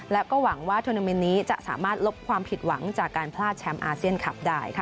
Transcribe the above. และก็หวังว่าทวนาเมนต์นี้จะสามารถลบความผิดหวังจากการพลาดแชมป์อาเซียนคลับได้ค่ะ